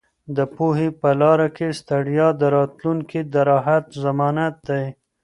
د پوهې په لاره کې ستړیا د راتلونکي د راحت ضمانت دی.